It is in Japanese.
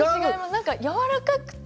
何かやわらかくて。